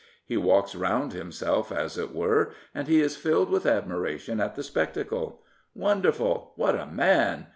He walks round himself, as it were, and he is filled with admiration at the spectacle. Wonderful! What a man!